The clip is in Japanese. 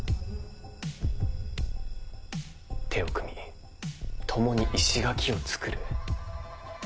手を組み共に石垣を作る。